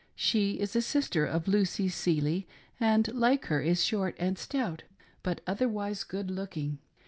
She is a sister of Lucy Seely, and like her is short and stout, but otherwise , good looking.